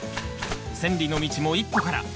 千里の道も一歩から。